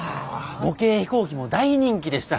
模型飛行機も大人気でした。